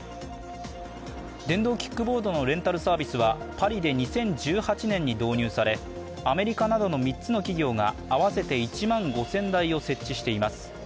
電動キックボードのレンタルサービスはパリで２０１８年に導入されアメリカなどの３つの企業が合わせて１万５０００台を設置しています。